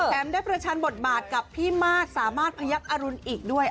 ได้ประชันบทบาทกับพี่มาสสามารถพยักษ์อรุณอีกด้วย